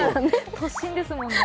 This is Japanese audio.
突進ですもんね。